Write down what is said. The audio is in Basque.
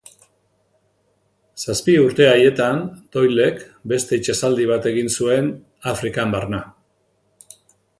Zazpi urte haietan Doylek beste itsasaldi bat egin zuen, Afrikan barna.